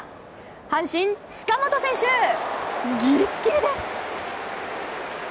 阪神、近本選手ギリギリです！